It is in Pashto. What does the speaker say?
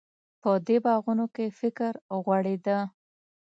په دې باغونو کې فکر غوړېده.